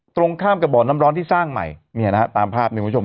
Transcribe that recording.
ตรงข้ามกับบ่อน้ำร้อนที่สร้างใหม่เนี่ยนะฮะตามภาพเนี่ยคุณผู้ชม